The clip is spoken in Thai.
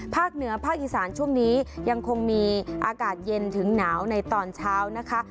เหนือภาคอีสานช่วงนี้ยังคงมีอากาศเย็นถึงหนาวในตอนเช้านะคะ